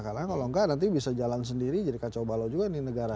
karena kalau enggak nanti bisa jalan sendiri jadi kacau balau juga nih negara